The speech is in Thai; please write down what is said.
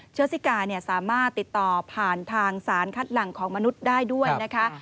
เชื้อซิกาสามารถติดต่อผ่านทางสารคัดหลังของมนุษย์ได้ด้วยนะคะ